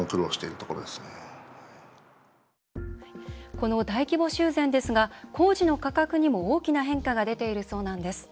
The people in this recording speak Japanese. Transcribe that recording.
この大規模修繕ですが工事の価格にも大きな変化が出ているそうなんです。